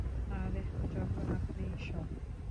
আর এখন আপনিই সব।